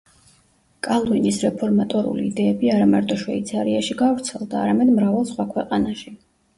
კალვინის რეფორმატორული იდეები არამარტო შვეიცარიაში გავრცელდა, არამედ მრავალ სხვა ქვეყანაში.